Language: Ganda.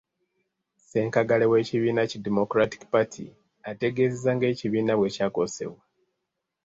Ssenkaggale w’ekibiina ki Democratic Party, ategeezezza ng'ekibiina bwe kyakosebwa.